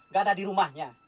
gak ada di rumahnya